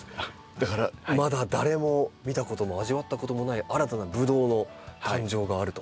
だからまだ誰も見たことも味わったこともない新たなブドウの誕生があると。